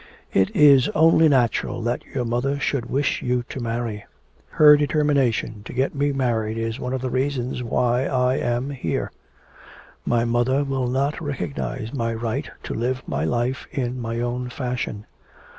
'It is only natural that your mother should wish you to marry.' 'Her determination to get me married is one of the reasons why I am here. My mother will not recognise my right to live my life in my own fashion.